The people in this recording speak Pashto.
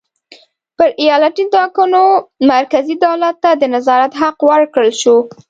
پر ایالتي ټاکنو مرکزي دولت ته د نظارت حق ورکړل شو.